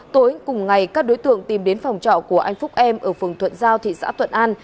tối cùng ngày các đối tượng tìm đến phòng trọ của anh phúc em ở phường thuận giao thị xã thuận an